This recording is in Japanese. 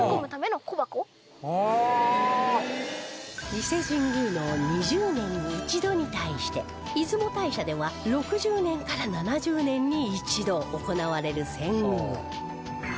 伊勢神宮の２０年に一度に対して出雲大社では６０年から７０年に一度行われる遷宮